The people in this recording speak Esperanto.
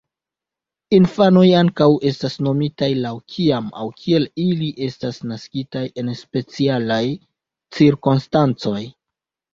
Infanoj ankaŭ estas nomitaj laŭ kiam aŭ kiel ili estas naskitaj en specialaj cirkonstancoj.